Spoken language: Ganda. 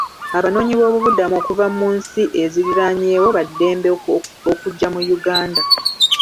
Abanoonyiboobubudamu okuva mu nsi eziriraanyeewo ba ddembe okujja mu Uganda.